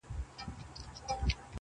د ماهیانو سوې خوراک مرګ دي په خوا دی٫